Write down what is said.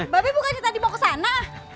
bapak bukannya tadi mau kesana